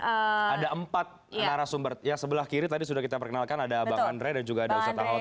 ada empat narasumber yang sebelah kiri tadi sudah kita perkenalkan ada abang andre dan juga ada ustaz al kotod